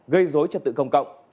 gây dối trật tự công cộng